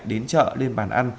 đến chợ lên bàn ăn